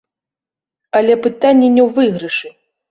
Але пытанне не ў выйгрышы.